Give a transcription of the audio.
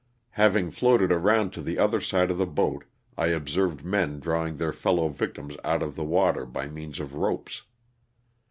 Having floated around to the other side of the boat I observed men drawing their fellow victims out of the water by means of ropes.